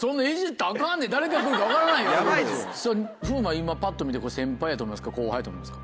今ぱっと見て先輩やと思いますか？